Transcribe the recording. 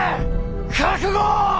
覚悟！